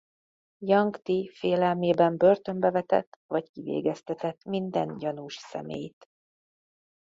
Jang-ti félelmében börtönbe vetett vagy kivégeztetett minden gyanús személyt.